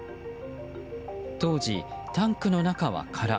当時、タンクの中は空。